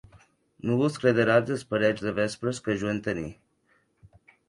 Non vos crederatz es parelhs de vespres que jo entení.